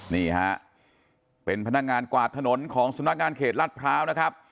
นี่ฮะเป็นพนักงานกวาดถนนของสำนักงานเขตลาดพร้าวนะครับ